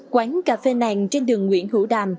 quán cà phê nàng trên đường nguyễn hữu đàm